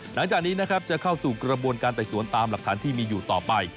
หลังจากนี้นะครับจะเข้าสู่กระบวนการไต่สวนตามหลักฐานที่มีอยู่ต่อไป